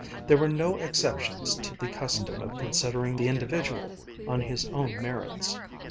There were no exceptions to the custom of considering the individual on his own merits.